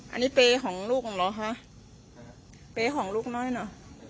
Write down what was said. อันนี้เปล่าของลูกหรอฮะเปล่าของลูกน้อยหน่อย